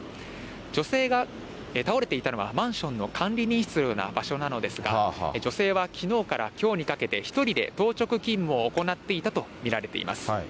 女性が倒れていたのは、マンションの管理人室のような場所なのですが、女性はきのうからきょうにかけて、１人で当直勤務を行っていたと見られます。